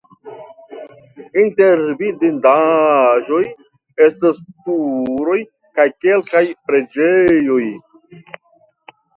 Inter vidindaĵoj estas turoj kaj kelkaj preĝejoj.